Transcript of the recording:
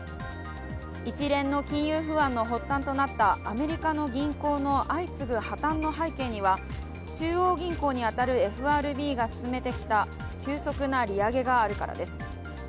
一連の金融不安の発端となったアメリカの銀行の相次ぐ破綻の背景には、中央銀行に当たるＦＲＢが進めてきた急速な利上げがあるからです。